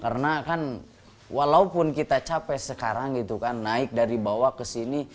karena kan walaupun kita capek sekarang gitu kan naik dari bawah ke sini